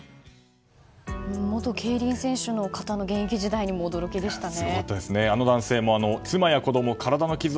元競輪選手の方の現役時代にも驚きでしたね。